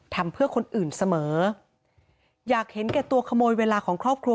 ทำเพื่อคนอื่นเสมออยากเห็นแก่ตัวขโมยเวลาของครอบครัว